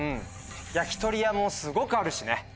焼き鳥屋もすごくあるしね。